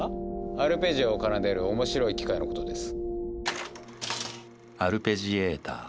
アルペジオを奏でる面白い機械のことです。